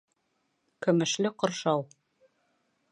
Көмөшлө ҡоршау